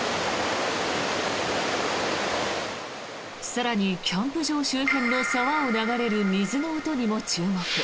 更にキャンプ場周辺の沢を流れる水の音にも注目。